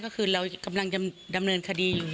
ก็คือเรากำลังจะดำเนินคดี